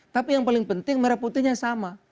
tapi yang paling penting merah putihnya sama